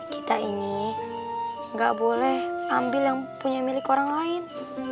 kita ini nggak boleh ambil yang punya milik orang lain